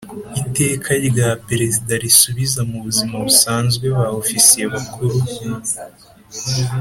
Iteka rya Perezida risubiza mu buzima busanzwe ba Ofisiye Bakuru .